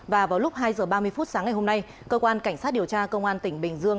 và vào lúc hai h ba mươi phút sáng ngày hôm nay cơ quan cảnh sát điều tra công an tỉnh bình dương